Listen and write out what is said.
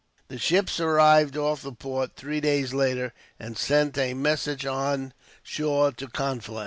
The ships arrived off the port three days later, and sent a messenger on shore to Conflans.